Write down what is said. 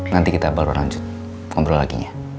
nanti kita baru lanjut ngobrol lagi ya